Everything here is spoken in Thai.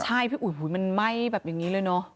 ใช่พี่อุ๋ยหูมันไหม้แบบอย่างนี้เลยเนอะ